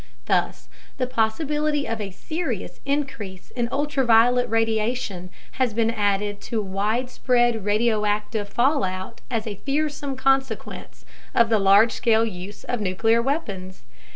Thus, the possibility of a serious increase in ultraviolet radiation has been added to widespread radioactive fallout as a fearsome consequence of the large scale use of nuclear weapons.